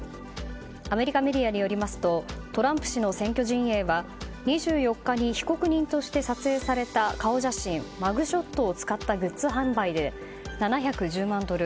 アメリカメディアによりますとトランプ氏の選挙陣営は２４日に被告人として撮影された顔写真、マグショットを使ったグッズ販売で７１０万ドル